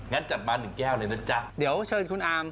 งั้นจัดมาหนึ่งแก้วเลยนะจ๊ะ